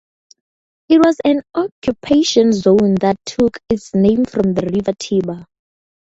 It was an occupation zone that took its name from the river Tiber.